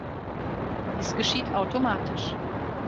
Dies geschieht automatisch.